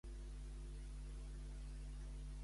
Quan va morir Càl·lies?